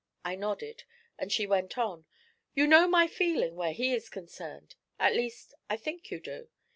I nodded, and she went on: 'You know my feeling where he is concerned; at least, I think you do.